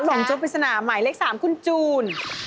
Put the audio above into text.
หลงจุดพฤษณะหมายเลข๓คือจูน